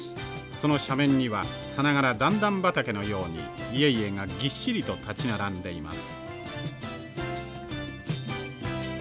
その斜面にはさながら段々畑のように家々がぎっしりと立ち並んでいます。